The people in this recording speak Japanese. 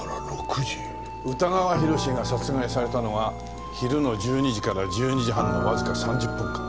宇田川宏が殺害されたのは昼の１２時から１２時半のわずか３０分間。